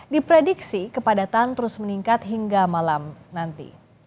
diprediksi kepadatan terus meningkat hingga malam nanti